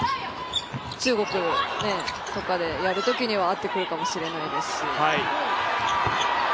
中国とかでやるときには合ってくるかもしれないですし。